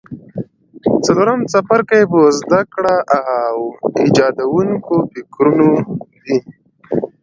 څلورم څپرکی په زده کړه او ایجادوونکو فکرونو دی.